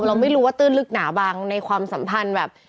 เราไม่รู้ว่าตื้นลึกหนาบางในความสัมพันธ์แบบ